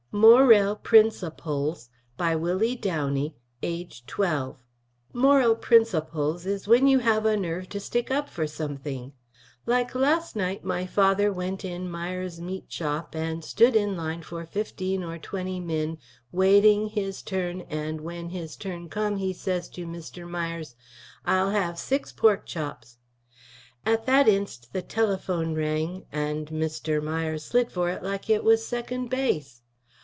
MOREL PRINSAPLES BY WILLIE DOWNEY AGE 12 Morel Prinsaples is when you have a nerve to stick up for some thing. Like last night my Father went in Mires meet shop & stood in line 15 or twenty min. wateing his tirn & when his tirn come he says to mr. Mires Ile have 6 porc chops. at that inst. the telaphone wrang & mr. Mires slidd for it like it was 2nd base.